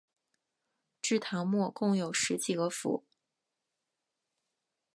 至唐末共有十几个府。